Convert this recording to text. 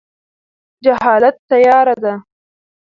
جهالت تیاره ده.